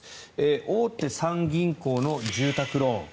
大手３銀行の住宅ローン。